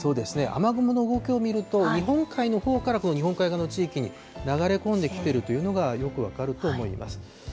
雨雲の動きを見ると、日本海のほうから日本海側の地域に流れ込んできているというのがよく分かると思います。